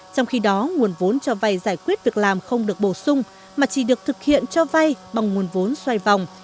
trong khi đó nguồn vốn cho vay giải quyết việc làm không được bổ sung mà chỉ được thực hiện cho vay bằng nguồn vốn xoay vòng